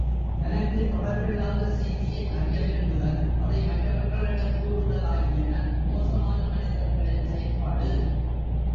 தனக்குத் தொடர்பில்லாத செய்தியை அறிய விரும்புதல் அதை மற்றவர்களிடம் கூறுதல் ஆகியன மோசமான மனிதர்களின் செயற்பாடு.